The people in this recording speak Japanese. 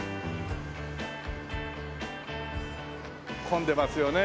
混んでますよね